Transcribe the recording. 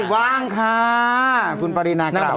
ว่างค่ะคุณปารีนากล่าวไว้